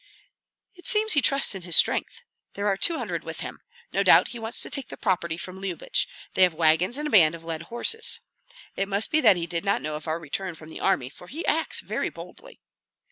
"It seems he trusts in his strength. There are two hundred with him. No doubt he wants to take the property from Lyubich; they have wagons and a band of led horses. It must be that he did not know of our return from the army, for he acts very boldly."